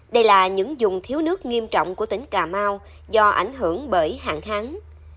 đây là những dùng thiếu nước nghiêm trọng của tỉnh cà mau do ảnh hưởng bởi hạn kháng